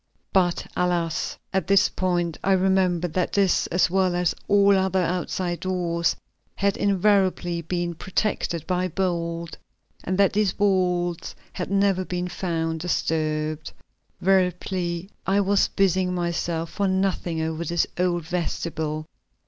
But alas! at this point I remembered that this, as well as all other outside doors, had invariably been protected by bolt, and that these bolts had never been found disturbed. Veritably I was busying myself for nothing over this old vestibule.